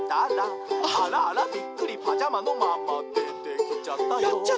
「あらあらびっくりパジャマのままでてきちゃったよ」